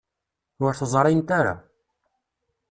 Ur t-ẓrint ara.